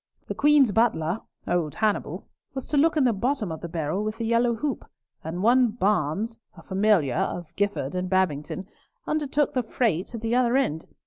The Queen's butler, old Hannibal, was to look in the bottom of the barrel with the yellow hoop, and one Barnes, a familiar of Gifford and Babington, undertook the freight at the other end.